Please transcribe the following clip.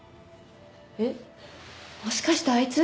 えっもしかしてあいつ？